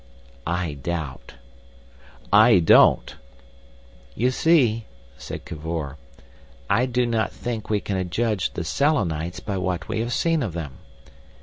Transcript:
"I doubt." "I don't." "You see," said Cavor, "I do not think we can judge the Selenites by what we have seen of them.